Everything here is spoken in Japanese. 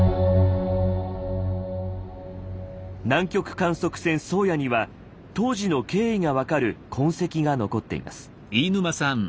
南極観測船「宗谷」には当時の経緯が分かる痕跡が残っています。